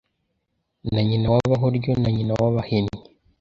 na nyina w’abahoryo na nyina w’abahennyi